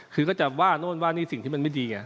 คือก็จะว่าโน่นว่านี่สิ่งที่มันไม่ดีไง